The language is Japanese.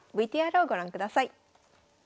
ＶＴＲをご覧ください。